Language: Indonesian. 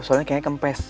soalnya kayaknya kempes